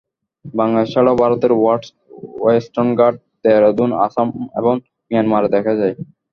বাংলাদেশ ছাড়াও ভারতের ওয়েস্টার্ন ঘাট, দেরাদুন, আসাম এবং মিয়ানমারে দেখা যায়।